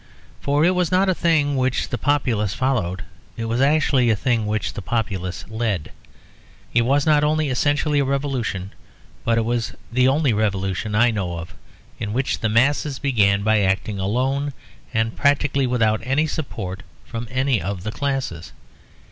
For it was not a thing which the populace followed; it was actually a thing which the populace led. It was not only essentially a revolution, but it was the only revolution I know of in which the masses began by acting alone, and practically without any support from any of the classes.